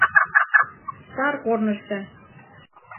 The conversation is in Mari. САР КОРНЫШТО